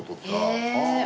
へえ。